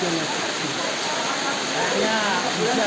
begit air juga yang terjebak